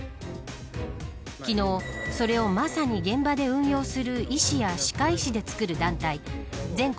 昨日、それをまさに現場で運用する医師や歯科医師でつくる団体全国